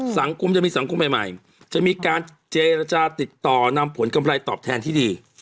สังคมจะมีสังคมใหม่จะมีการเจรจาติดต่อนำผลกำไรตอบแทนที่ดี